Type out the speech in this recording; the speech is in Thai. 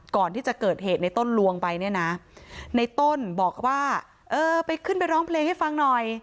ก่อนที่จะเกิดเหตุในต้นลวงไปเนี่ยนะในต้นบอกว่าเออไปขึ้นไปร้องเพลงให้ฟังหน่อย